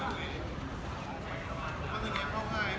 อันที่สุดท้ายก็คือภาษาอันที่สุดท้าย